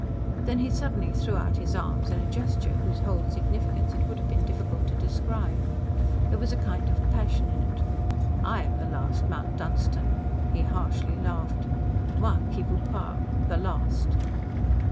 Then he suddenly threw out his arms in a gesture whose whole significance it would have been difficult to describe. There was a kind of passion in it. "I am the last Mount Dunstan," he harshly laughed. "Moi qui vous parle! The last."